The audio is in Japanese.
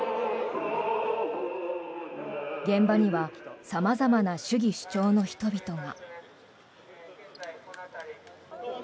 現場には様々な主義主張の人々が。